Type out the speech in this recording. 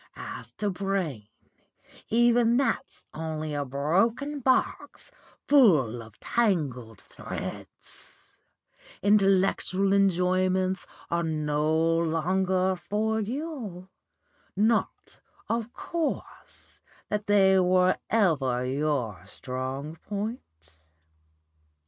As to brain, even that's only a broken box full of tangled threads. Intellectual enjoyments are no longer for you. Not, of course, that they were ever your strong point.